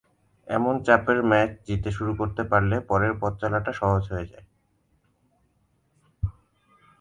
এমন চাপের ম্যাচ জিতে শুরু করতে পারলে পরের পথচলাটা সহজ হয়ে যায়।